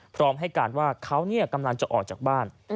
พร้อมให้การว่าเขากำลังจะออกจากบ้าน